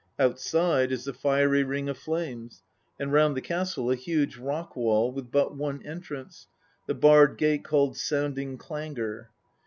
Outside is the fiery ring of flames, and round the castle a huge rock wall with but one entrance, the barred gate called Sounding clanger.